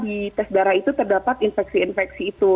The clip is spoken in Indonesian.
di tes darah itu terdapat infeksi infeksi itu